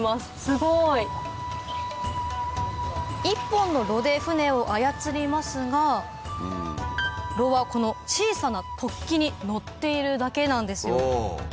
１本の櫓で舟を操りますが櫓はこの小さな突起にのっているだけなんですよ